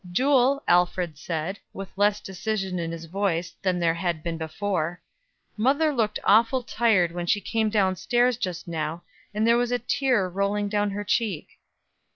"Jule," Alfred said, with less decision in his voice than there had been before, "mother looked awful tired when she came down stairs just now, and there was a tear rolling down her cheek."